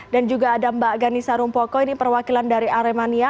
dan juga ada mbak ghanisa rumpoko ini perwakilan dari aremania